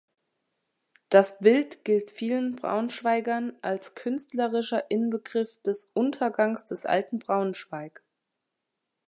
Das Bild gilt vielen Braunschweigern als künstlerischer Inbegriff des Untergangs des alten Braunschweig.